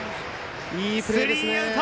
スリーアウト！